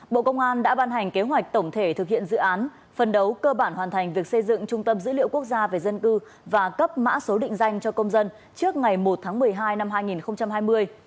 bộ công an đã ban hành kế hoạch tổng thể thực hiện dự án phân đấu cơ bản hoàn thành việc xây dựng trung tâm dữ liệu quốc gia về dân cư và cấp mã số định danh cho công dân trước ngày một tháng một mươi hai năm hai nghìn hai mươi